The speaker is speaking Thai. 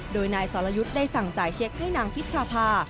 โดยนายสรยุทธ์ได้สั่งจ่ายเช็คให้นางพิชชาภา